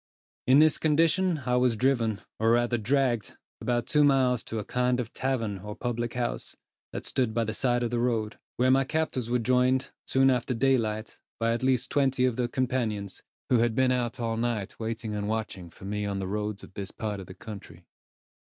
In this condition I was driven, or rather dragged, about two miles to a kind of tavern or public house, that stood by the side of the road; where my captors were joined, soon after daylight, by at least twenty of their companions, who had been out all night waiting and watching for me on the other roads of this part of the country.